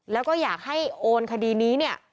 แล้วก็อยากให้โอนคดีนี้เนี่ย